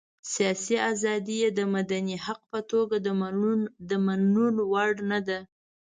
سياسي ازادي یې د مدني حق په توګه د منلو وړ نه ده.